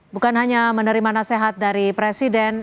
bukan hanya menerima nasihat dari presiden